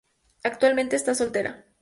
Actualmente, está soltera.